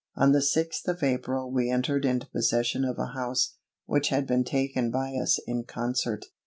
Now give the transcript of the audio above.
On the sixth of April we entered into possession of a house, which had been taken by us in concert.